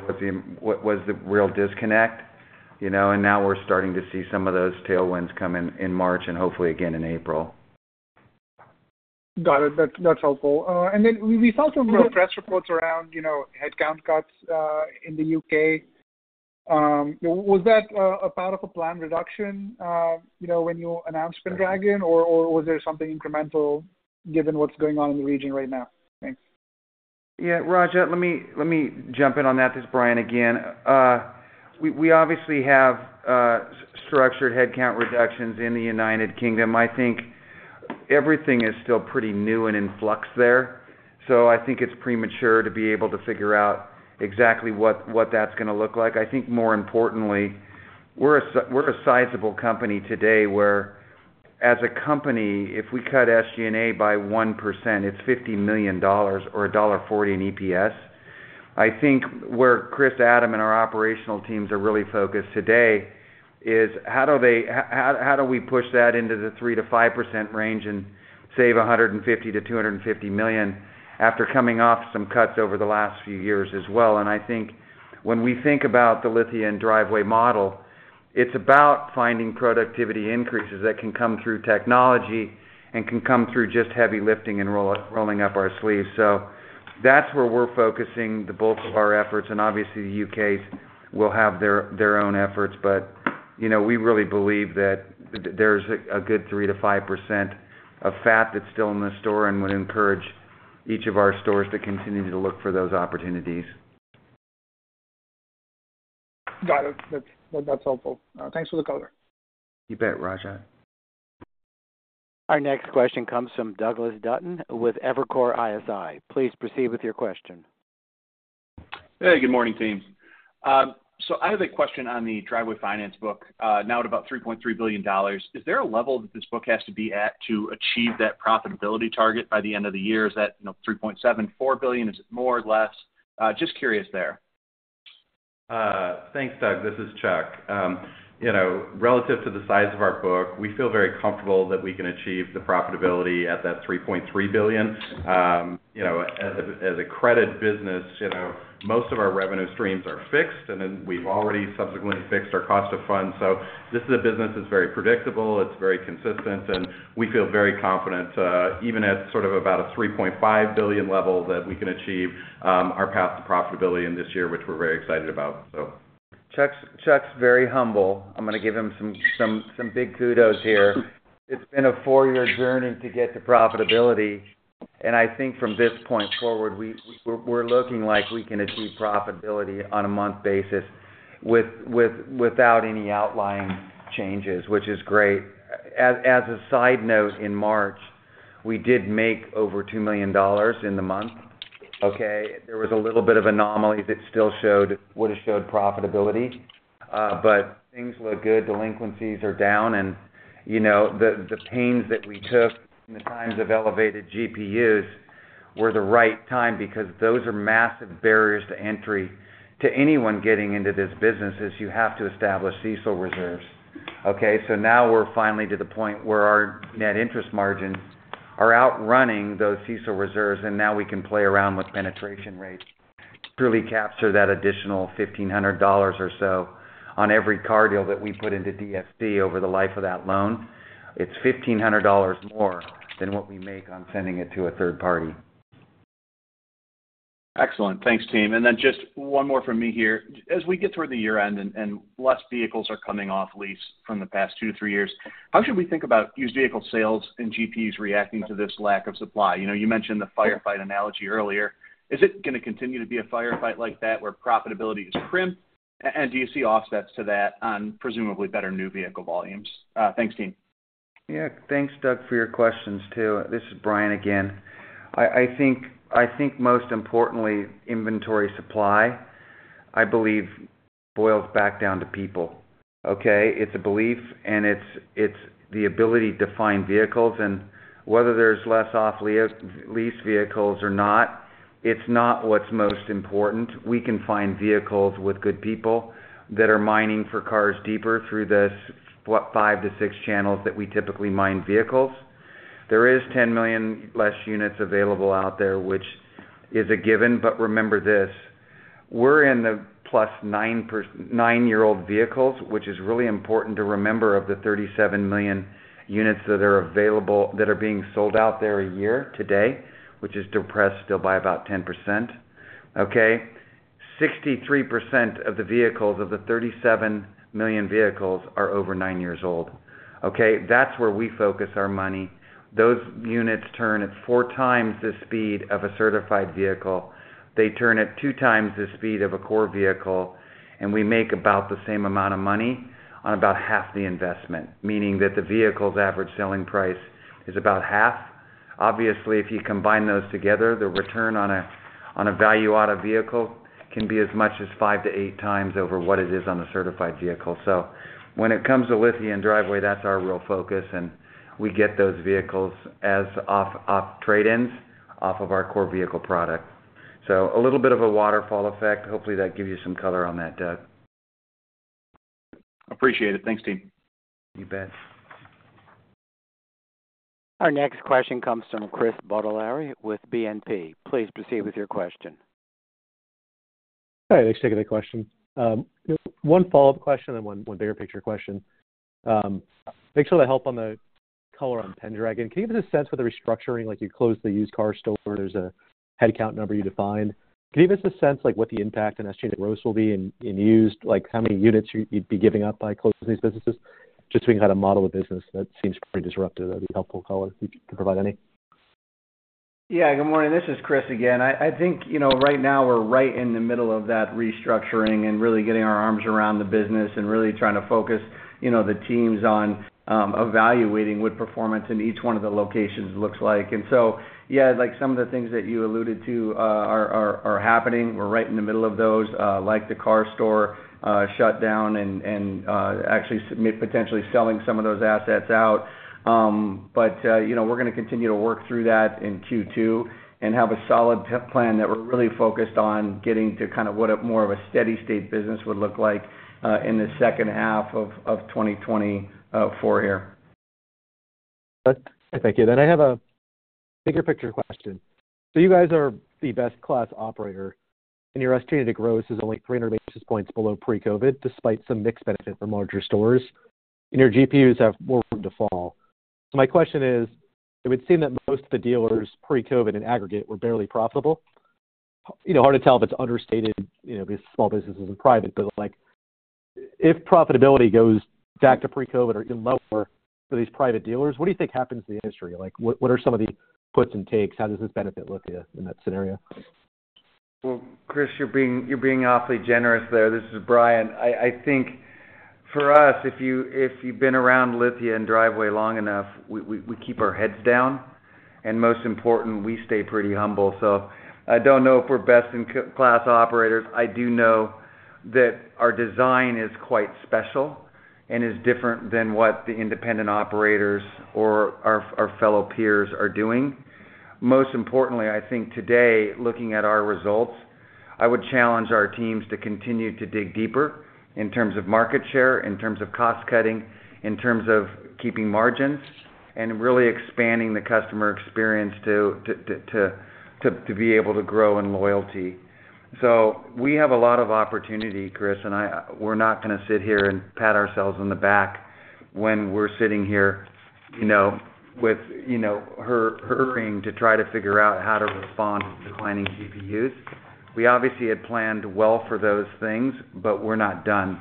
was the real disconnect, you know, and now we're starting to see some of those tailwinds come in in March and hopefully again in April. Got it. That's helpful. And then we saw some press reports around, you know, headcount cuts in the U.K. Was that a part of a planned reduction, you know, when you announced Pendragon, or was there something incremental given what's going on in the region right now? Thanks. Yeah, Rajat, let me, let me jump in on that. This is Bryan again. We, we obviously have structured headcount reductions in the United Kingdom. I think everything is still pretty new and in flux there, so I think it's premature to be able to figure out exactly what, what that's gonna look like. I think more importantly, we're a sizable company today, where as a company, if we cut SG&A by 1%, it's $50 million or $1.40 in EPS. I think where Chris, Adam, and our operational teams are really focused today is how do theyow, how do we push that into the 3%-5% range and save $150 million-$250 million after coming off some cuts over the last few years as well? I think when we think about the Lithia & Driveway model, it's about finding productivity increases that can come through technology and can come through just heavy lifting and rolling up our sleeves. So that's where we're focusing the bulk of our efforts, and obviously, the U.K. will have their own efforts, but, you know, we really believe that there's a good 3%-5% of fat that's still in the store, and would encourage each of our stores to continue to look for those opportunities. Got it. That's, that's helpful. Thanks for the color. You bet, Rajat. Our next question comes from Douglas Dutton with Evercore ISI. Please proceed with your question. Hey, good morning, team. So I have a question on the Driveway Finance book. Now at about $3.3 billion, is there a level that this book has to be at to achieve that profitability target by the end of the year? Is that, you know, $3.74 billion? Is it more or less? Just curious there. Thanks, Doug. This is Chuck. You know, relative to the size of our book, we feel very comfortable that we can achieve the profitability at that $3.3 billion. You know, as a credit business, you know, most of our revenue streams are fixed, and then we've already subsequently fixed our cost of funds. So this is a business that's very predictable, it's very consistent, and we feel very confident, even at sort of about a $3.5 billion level, that we can achieve our path to profitability in this year, which we're very excited about, so. Chuck's very humble. I'm gonna give him some big kudos here. It's been a four-year journey to get to profitability, and I think from this point forward, we're looking like we can achieve profitability on a month basis, with without any outlying changes, which is great. As a side note, in March, we did make over $2 million in the month, okay? There was a little bit of anomalies that still would have showed profitability, but things look good. Delinquencies are down, and you know, the pains that we took in the times of elevated GPUs were the right time because those are massive barriers to entry to anyone getting into this business, is you have to establish CECL reserves. Okay, so now we're finally to the point where our net interest margins are outrunning those CECL reserves, and now we can play around with penetration rates to really capture that additional $1,500 or so on every car deal that we put into DFC over the life of that loan. It's $1,500 more than what we make on sending it to a third party. Excellent. Thanks, team. And then just one more from me here. As we get toward the year end and less vehicles are coming off lease from the past two to three years, how should we think about used vehicle sales and GPUs reacting to this lack of supply? You know, you mentioned the firefight analogy earlier. Is it going to continue to be a firefight like that, where profitability is crimped? And do you see offsets to that on presumably better new vehicle volumes? Thanks, team. Yeah, thanks, Doug, for your questions, too. This is Bryan again. I, I think, I think most importantly, inventory supply, I believe, boils back down to people, okay? It's a belief, and it's, it's the ability to find vehicles. And whether there's less off-lease vehicles or not, it's not what's most important. We can find vehicles with good people that are mining for cars deeper through this, what, 5-6 channels that we typically mine vehicles. There is 10 million less units available out there, which is a given. But remember this, we're in the +99 year-old vehicles, which is really important to remember, of the 37 million units that are available, that are being sold out there a year today, which is depressed still by about 10%, okay? 63% of the vehicles, of the 37 million vehicles are over nine years old, okay? That's where we focus our money. Those units turn at 4x the speed of a certified vehicle. They turn at 2x the speed of a core vehicle, and we make about the same amount of money on about half the investment, meaning that the vehicle's average selling price is about half. Obviously, if you combine those together, the return on a Value Auto vehicle can be as much as 5-8x over what it is on a certified vehicle. So when it comes to Lithia and Driveway, that's our real focus, and we get those vehicles off trade-ins, off of our core vehicle product. So a little bit of a waterfall effect. Hopefully, that gives you some color on that, Doug. Appreciate it. Thanks, team. You bet. Our next question comes from Chris Bottiglieri with BNP. Please proceed with your question. Hi, thanks for taking the question. One follow-up question and one, one bigger picture question. Thanks for the help on the color on Pendragon. Can you give us a sense for the restructuring, like you closed the used CarStore, there's a headcount number you defined. Can you give us a sense like what the impact on SG&A growth will be in used, like how many units you'd, you'd be giving up by closing these businesses? Just so we can kind of model the business. That seems pretty disruptive. That'd be helpful color, if you could provide any. Yeah, good morning. This is Chris again. I think, you know, right now we're right in the middle of that restructuring and really getting our arms around the business and really trying to focus, you know, the teams on evaluating what performance in each one of the locations looks like. And so, yeah, like some of the things that you alluded to are happening. We're right in the middle of those, like the CarStore shut down and actually potentially selling some of those assets out. But you know, we're going to continue to work through that in Q2 and have a solid plan that we're really focused on getting to kind of what a more of a steady state business would look like in the second half of 2024 here. Thank you. Then I have a bigger picture question. So you guys are the best in class operator, and your estimated growth is only 300 basis points below pre-COVID, despite some mixed benefit from larger stores, and your GPUs have more room to fall. So my question is: it would seem that most of the dealers, pre-COVID in aggregate, were barely profitable. You know, hard to tell if it's understated, you know, because small businesses are private, but, like, if profitability goes back to pre-COVID or even lower for these private dealers, what do you think happens to the industry? Like, what, what are some of the puts and takes? How does this benefit Lithia in that scenario? Well, Chris, you're being, you're being awfully generous there. This is Bryan. I, I think for us, if you, if you've been around Lithia and Driveway long enough, we, we, we keep our heads down, and most important, we stay pretty humble. So I don't know if we're best-in-class operators. I do know that our design is quite special and is different than what the independent operators or our, our fellow peers are doing. Most importantly, I think today, looking at our results, I would challenge our teams to continue to dig deeper in terms of market share, in terms of cost cutting, in terms of keeping margins, and really expanding the customer experience to, to, to, to, to be able to grow in loyalty. So we have a lot of opportunity, Chris, and I, we're not going to sit here and pat ourselves on the back when we're sitting here, you know, with, you know, hurting to try to figure out how to respond to declining GPUs. We obviously had planned well for those things, but we're not done,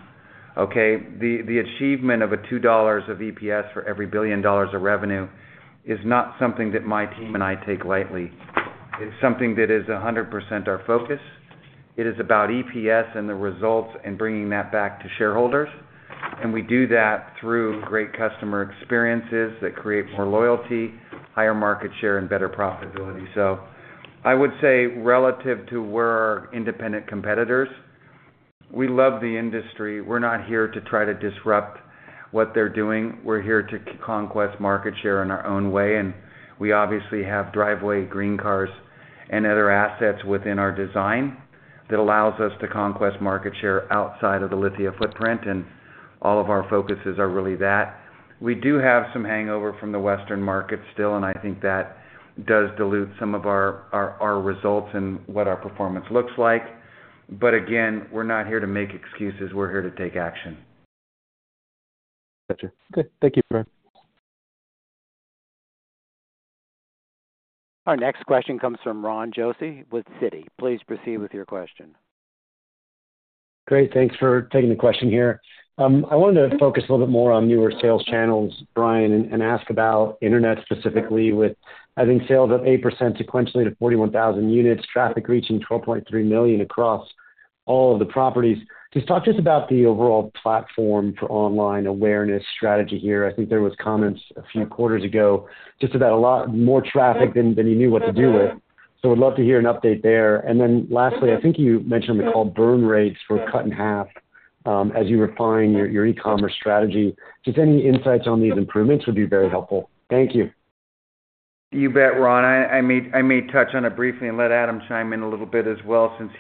okay? The achievement of $2 of EPS for every $1 billion of revenue is not something that my team and I take lightly. It's something that is 100% our focus. It is about EPS and the results and bringing that back to shareholders, and we do that through great customer experiences that create more loyalty, higher market share, and better profitability. So I would say relative to our independent competitors, we love the industry. We're not here to try to disrupt what they're doing. We're here to conquest market share in our own way, and we obviously have Driveway, GreenCars, and other assets within our design that allows us to conquest market share outside of the Lithia footprint, and all of our focuses are really that. We do have some hangover from the Western market still, and I think that does dilute some of our results and what our performance looks like. But again, we're not here to make excuses. We're here to take action. Gotcha. Okay. Thank you, Bryan. Our next question comes from Ron Josey with Citi. Please proceed with your question. Great. Thanks for taking the question here. I wanted to focus a little bit more on newer sales channels, Bryan, and ask about internet specifically with, I think, sales up 8% sequentially to 41,000 units, traffic reaching 12.3 million across all of the properties. Just talk to us about the overall platform for online awareness strategy here. I think there was comments a few quarters ago just about a lot more traffic than you knew what to do with. So would love to hear an update there. And then lastly, I think you mentioned on the call burn rates were cut in half, as you refine your e-commerce strategy. Just any insights on these improvements would be very helpful. Thank you. You bet, Ron. I may touch on it briefly and let Adam chime in a little bit as well, since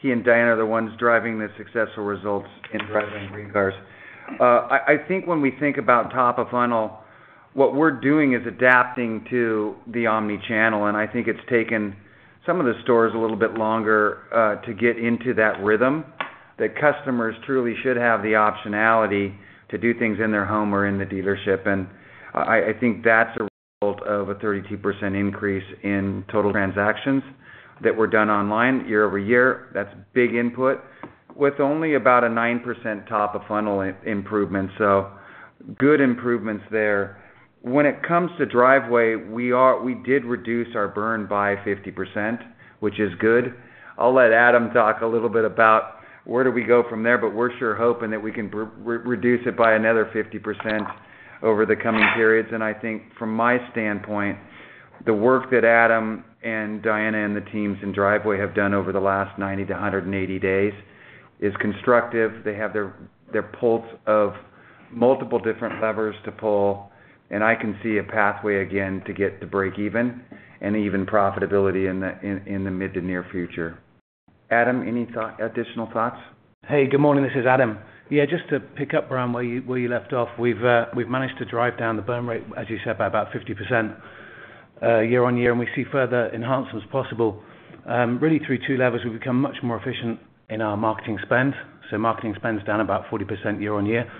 he and Diana are the ones driving the successful results in Driveway and GreenCars. I think when we think about top of funnel, what we're doing is adapting to the omni-channel, and I think it's taken some of the stores a little bit longer to get into that rhythm, that customers truly should have the optionality to do things in their home or in the dealership. I think that's a result of a 32% increase in total transactions that were done online year-over-year. That's big input, with only about a 9% top of funnel improvement, so good improvements there. When it comes to Driveway, we did reduce our burn by 50%, which is good. I'll let Adam talk a little bit about where do we go from there, but we're sure hoping that we can reduce it by another 50% over the coming periods. I think from my standpoint, the work that Adam and Diana and the teams in Driveway have done over the last 90-180 days is constructive. They have their pulse of multiple different levers to pull, and I can see a pathway again to get to breakeven and even profitability in the mid to near future. Adam, any thought, additional thoughts? Hey, good morning. This is Adam. Yeah, just to pick up, Ron, where you left off, we've managed to drive down the burn rate, as you said, by about 50%, year-on-year, and we see further enhancements possible, really through 2 levers. We've become much more efficient in our marketing spend, so marketing spend is down about 40% year-on-year.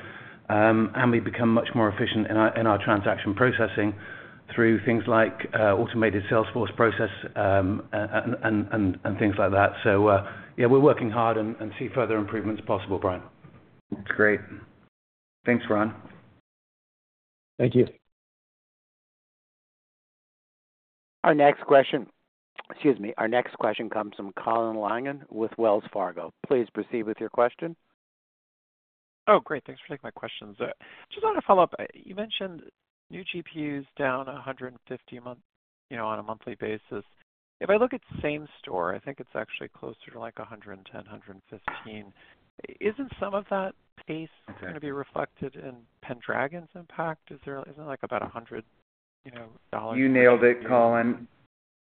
And we've become much more efficient in our transaction processing through things like automated sales force process, and things like that. So, yeah, we're working hard and see further improvements possible, Bryan. Great. Thanks, Ron. Thank you. Our next question. Excuse me. Our next question comes from Colin Langan with Wells Fargo. Please proceed with your question. Oh, great. Thanks for taking my questions. Just want to follow up. You mentioned new GPUs down $150 a month, you know, on a monthly basis. If I look at same store, I think it's actually closer to, like, $110, $115. Isn't some of that pace going to be reflected in Pendragon's impact? Isn't like about $100, you know, dollars? You nailed it, Colin.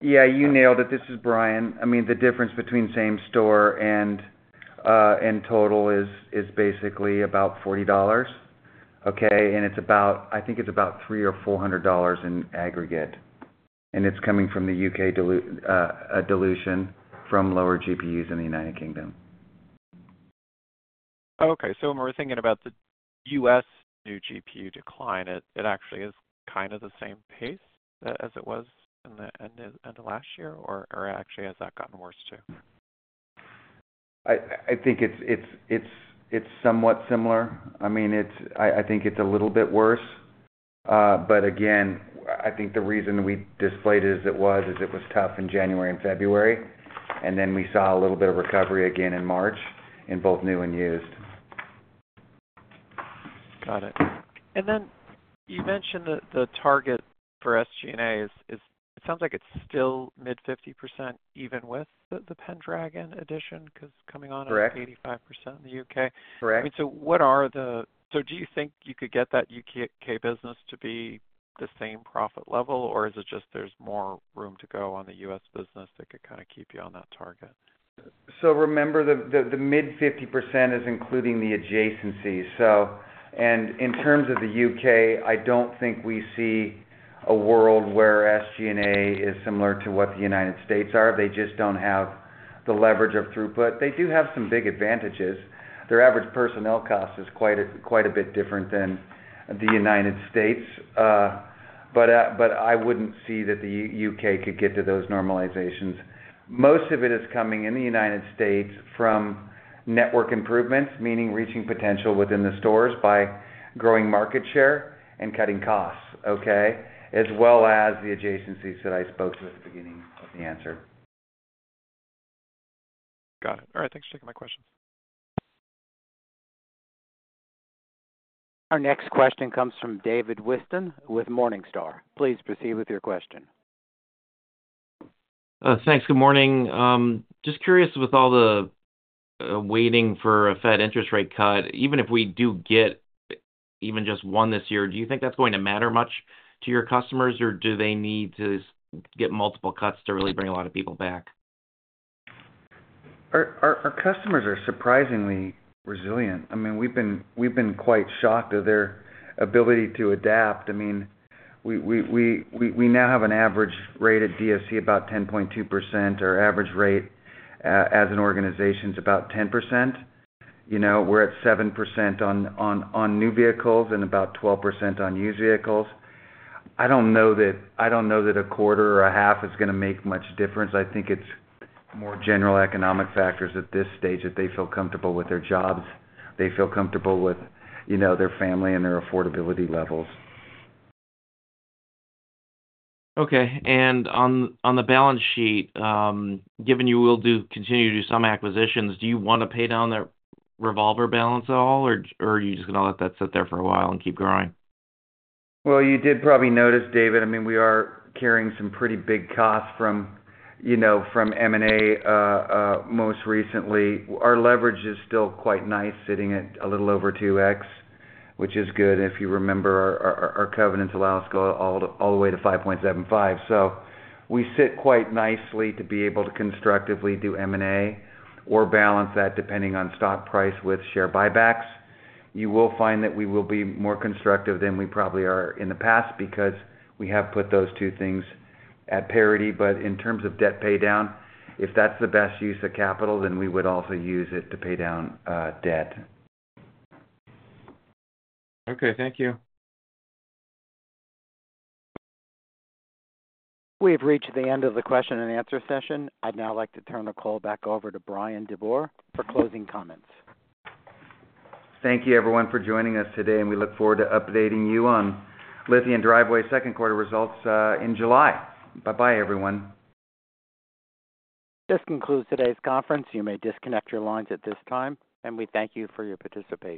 Yeah, you nailed it. This is Bryan. I mean, the difference between same store and and total is is basically about $40, okay? And it's about—I think it's about $300-$400 in aggregate, and it's coming from the UK dilution from lower GPUs in the United Kingdom. Okay. So when we're thinking about the U.S. new GPU decline, it actually is kind of the same pace as it was in the end of last year or actually, has that gotten worse, too? I think it's somewhat similar. I mean, it's a little bit worse. But again, I think the reason we displayed it as it was, is it was tough in January and February, and then we saw a little bit of recovery again in March in both new and used. Got it. And then you mentioned that the target for SG&A is, it sounds like it's still mid-50%, even with the Pendragon addition, 'cause coming on— Correct. 85% in the U.K. Correct. I mean, so do you think you could get that UK business to be the same profit level, or is it just there's more room to go on the US business that could kind of keep you on that target? So remember, the mid-50% is including the adjacencies. In terms of the U.K., I don't think we see a world where SG&A is similar to what the United States are. They just don't have the leverage of throughput. They do have some big advantages. Their average personnel cost is quite a bit different than the United States. But I wouldn't see that the U.K. could get to those normalizations. Most of it is coming in the United States from network improvements, meaning reaching potential within the stores by growing market share and cutting costs, okay? As well as the adjacencies that I spoke to at the beginning of the answer. Got it. All right. Thanks for taking my question. Our next question comes from David Whiston with Morningstar. Please proceed with your question. Thanks. Good morning. Just curious, with all the waiting for a Fed interest rate cut, even if we do get even just one this year, do you think that's going to matter much to your customers, or do they need to get multiple cuts to really bring a lot of people back? Our customers are surprisingly resilient. I mean, we've been quite shocked at their ability to adapt. I mean, we now have an average rate at DFC about 10.2%. Our average rate as an organization is about 10%. You know, we're at 7% on new vehicles and about 12% on used vehicles. I don't know that a quarter or a half is gonna make much difference. I think it's more general economic factors at this stage, that they feel comfortable with their jobs, they feel comfortable with, you know, their family and their affordability levels. Okay. And on the balance sheet, given you will continue to do some acquisitions, do you want to pay down that revolver balance at all, or are you just gonna let that sit there for a while and keep growing? Well, you did probably notice, David, I mean, we are carrying some pretty big costs from, you know, from M&A, most recently. Our leverage is still quite nice, sitting at a little over 2x, which is good. If you remember, our, our, our covenants allow us to go all the, all the way to 5.75. So we sit quite nicely to be able to constructively do M&A or balance that, depending on stock price, with share buybacks. You will find that we will be more constructive than we probably are in the past because we have put those two things at parity. But in terms of debt paydown, if that's the best use of capital, then we would also use it to pay down, debt. Okay. Thank you. We've reached the end of the question and answer session. I'd now like to turn the call back over to Bryan DeBoer for closing comments. Thank you, everyone, for joining us today, and we look forward to updating you on Lithia & Driveway's second quarter results, in July. Bye-bye, everyone. This concludes today's conference. You may disconnect your lines at this time, and we thank you for your participation.